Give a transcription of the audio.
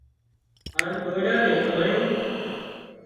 هانَ ۮوئيڙا نين تانڻيون